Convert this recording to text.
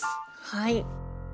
はい。